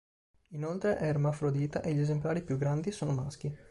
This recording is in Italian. Inoltre è ermafrodita e gli esemplari più grandi sono maschi.